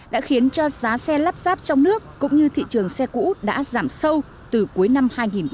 đã khiến cho giá xe lắp ráp trong nước cũng như thị trường xe cũ đã giảm sâu từ cuối năm hai nghìn một mươi tám